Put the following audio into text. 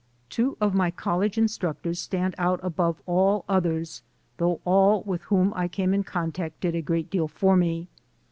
Two of my college instructors stand out above all others, though all with whom I came in contact did a great deal for me.